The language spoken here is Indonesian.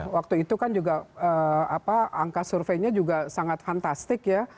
waktu itu kan juga angka surveinya juga sangat fantastik ya